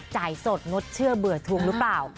จ่ายสดงดเชื่อเบื่อทวงหรือเปล่า